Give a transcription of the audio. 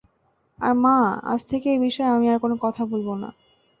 আর মা, আজ থেকে এই বিষয়ে আমি আর কোন কথা বলব না।